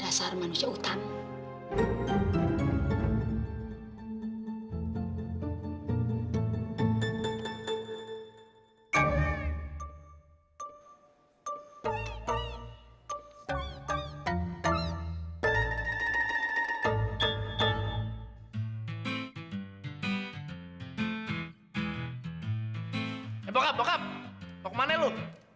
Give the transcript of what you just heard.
eh bokap bokap mau ke mana lu